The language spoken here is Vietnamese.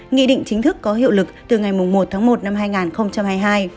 nghị định chính thức có hiệu lực từ ngày một tháng một năm hai nghìn hai mươi hai